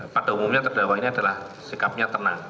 pada umumnya terdakwa ini adalah sikapnya tenang